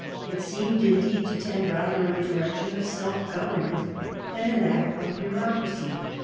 It seemed indeed to tend rather in the direction of self government than in that of bureau cracy.